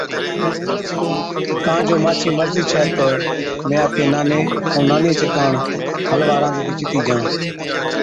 ڪان جو مانڇِي مرضِي ڇَي تہ مين آپڪي ناني ائُون نانِي چي ڪاڻ حلوا رانڌتِي چتِي جان۔